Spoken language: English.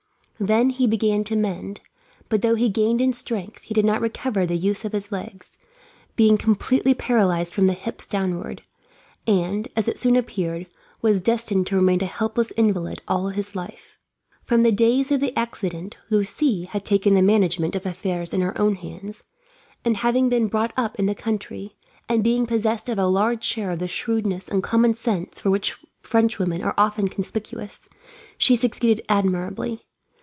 Then he began to mend, but though he gained in strength he did not recover the use of his legs, being completely paralysed from the hips downward; and, as it soon appeared, was destined to remain a helpless invalid all his life. From the day of the accident Lucie had taken the management of affairs in her hands, and having been brought up in the country, and being possessed of a large share of the shrewdness and common sense for which Frenchwomen are often conspicuous, she succeeded admirably.